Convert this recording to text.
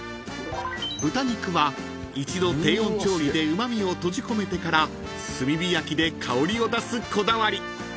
［豚肉は一度低温調理でうま味を閉じ込めてから炭火焼きで香りを出すこだわり］